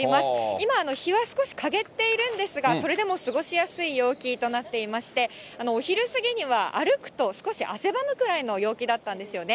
今、日は少しかげっているんですが、それでも過ごしやすい陽気となっていまして、お昼過ぎには歩くと、少し汗ばむくらいの陽気だったんですよね。